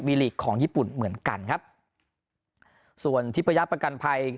มีลีกของญี่ปุ่นเหมือนกันครับส่วนทิพยับประกันภัย